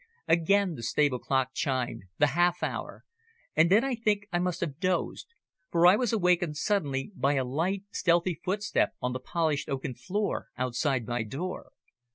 Again the stable clock chimed the half hour and then I think I must have dozed, for I was awakened suddenly by a light, stealthy footstep on the polished oaken floor outside my door.